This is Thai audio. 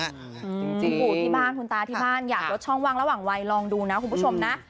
จริงปู่ที่บ้านคุณตาที่บ้านอยากลดช่องว่างระหว่างวัยลองดูนะคุณผู้ชมนะ